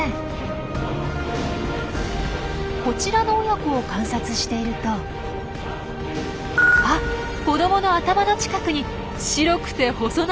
こちらの親子を観察しているとあっ子どもの頭の近くに白くて細長いものが！